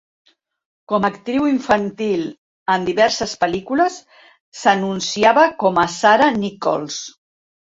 Com a actriu infantil en diverses pel·lícules, s'anunciava com a Sarah Nicholls.